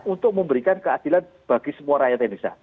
untuk memberikan keadilan bagi semua rakyat indonesia